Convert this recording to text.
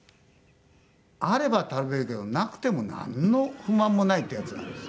あれば食べるけどなくてもなんの不満もないっていうやつなんですよ。